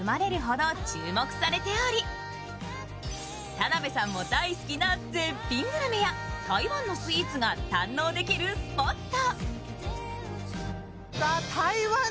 田辺さんも大好きな絶品グルメや台湾のスイーツが堪能できるスポット。